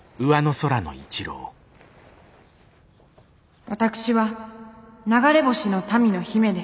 私は流れ星の民の姫です。